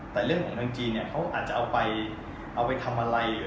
แต่เรื่องของเมืองจีนเนี่ยเขาอาจจะเอาไปทำอะไร